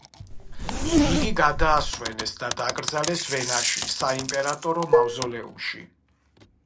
იგი გადაასვენეს და დაკრძალეს ვენაში, საიმპერატორო მავზოლეუმში.